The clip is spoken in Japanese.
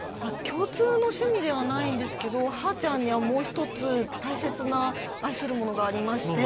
共通の趣味ではないんですけどはーちゃんにはもう１つ大切な愛するものがありまして